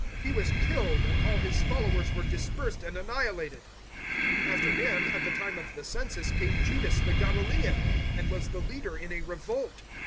He was killed, and all his followers were dispersed and annihilated. 005:037 After him, at the time of the Census, came Judas, the Galilaean, and was the leader in a revolt.